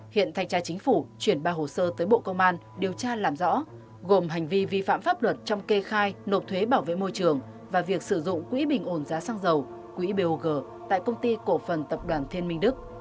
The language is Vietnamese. hiện thành tra chính phủ chuyển ba hồ sơ tới bộ công an điều tra làm rõ gồm hành vi vi phạm pháp luật trong kê khai nộp thuế bảo vệ môi trường và việc sử dụng quỹ bình ổn giá xăng dầu quỹ bog tại công ty cổ phần tập đoàn thiên minh đức